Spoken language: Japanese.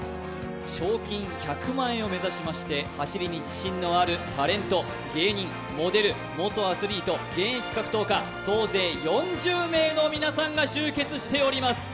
賞金１００万円を目指しまして、走りに自信のあるタレント、芸人、モデル、元アスリート、現役格闘家、総勢４０名の皆さんが集結しております。